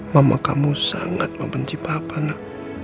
mama kamu sangat membenci bapak nak